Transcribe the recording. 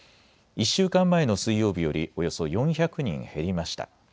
１週間前の水曜日よりおよそ４００人減りました。